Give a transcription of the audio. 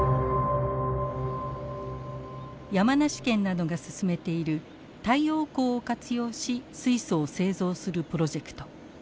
山梨県などが進めている太陽光を活用し水素を製造するプロジェクト。